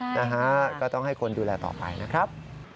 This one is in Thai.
นะฮะก็ต้องให้คนดูแลต่อไปนะครับ